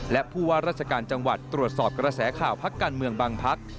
และผู้ว่าราชการจังหวัดตรวจสอบกระแสข่าวพักการเมืองบางพัก